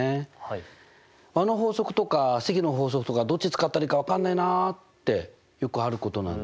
和の法則とか積の法則とかどっち使ったらいいか分かんないなってよくあることなんですね。